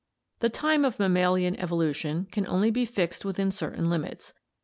— The time of mammalian evolution can only be fixed within certain limits.